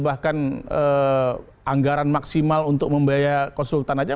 bahkan anggaran maksimal untuk membayar konsultan aja